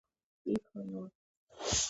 მისი სახელობის მოედანი არის სანქტ-პეტერბურგში.